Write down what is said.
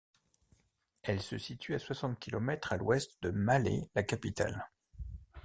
Elle se situe à soixante kilomètres à l'ouest de Malé, la capitale.